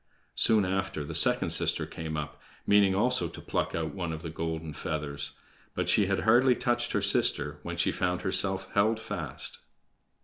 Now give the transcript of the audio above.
Soon after, the second sister came up, meaning also to pluck out one of the golden feathers; but she had hardly touched her sister when she found herself held fast.